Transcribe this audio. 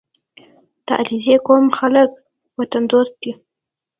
• د علیزي قوم خلک وطن دوست دي.